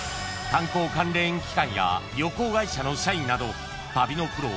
［観光関連機関や旅行会社の社員など旅のプロ